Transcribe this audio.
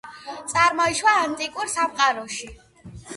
წარმოიშვა ანტიკურ სამყაროში.